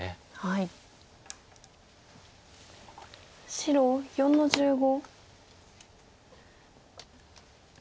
白４の十五。